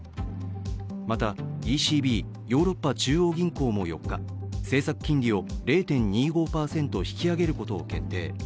また、ＥＣＢ＝ヨーロッパ中央銀行も４日、政策金利を０．２５％引き上げることを決定。